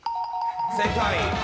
正解。